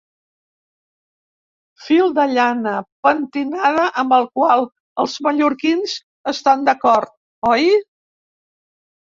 Fil de llana pentinada amb el qual els mallorquins estan d'acord, oi?